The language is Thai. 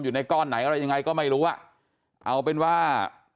อยู่ในก้อนไหนอะไรยังไงก็ไม่รู้อ่ะเอาเป็นว่า